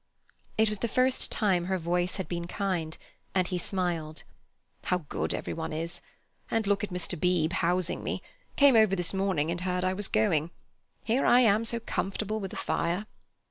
It was the first time her voice had been kind and he smiled. "How good everyone is! And look at Mr. Beebe housing me—came over this morning and heard I was going! Here I am so comfortable with a fire."